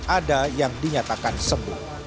ada yang dinyatakan sembuh